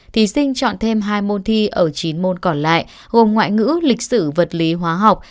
thí sinh chọn thêm hai môn thi ở chín môn còn lại gồm ngoại ngữ lịch sử vật lý hóa học